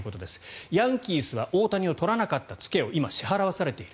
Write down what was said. ヤンキースは大谷を取らなかった付けを今、支払わされている。